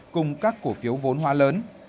cùng các cổ phiếu vốn hóa lớn